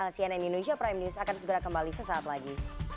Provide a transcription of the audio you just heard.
cnn indonesia prime news akan segera kembali sesaat lagi